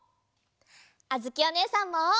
あづきおねえさんも！